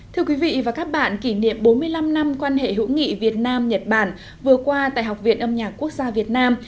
thưa quý vị và các bạn kỷ niệm bốn mươi năm năm quan hệ hữu nghị việt nam nhật bản vừa qua tại học viện âm nhạc quốc gia việt nam